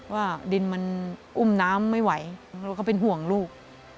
ว่าดินมันอุ้มน้ำไม่ไหวแล้วก็เป็นห่วงลูก